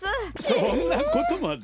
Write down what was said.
そんなことまで！